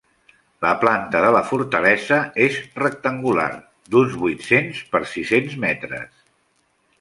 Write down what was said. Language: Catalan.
La planta de la fortalesa és rectangular, d'uns vuit-cents per sis-cents metres.